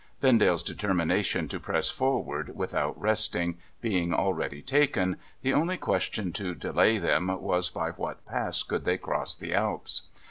Vendale's determination to press forward, without resting, being already taken, the only question to delay them was by what Pass could they cross the Alps